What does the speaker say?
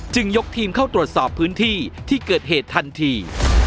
ยกทีมเข้าตรวจสอบพื้นที่ที่เกิดเหตุทันที